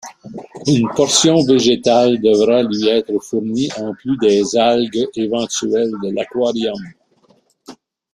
Une portion végétale devra lui être fournie en plus des algues éventuelles de l'aquarium.